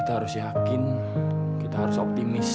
berisik tau gak